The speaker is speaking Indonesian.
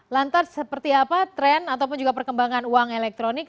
lantas seperti apa tren ataupun juga perkembangan uang elektronik